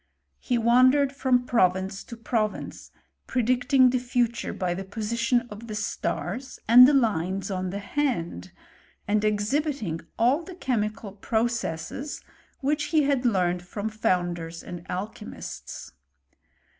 He wandered from province to province, predicting the future by the position of the stars, and the lines on the hand, and^xhibiting all the chemical processes which he had leimed from founders and alchy mists.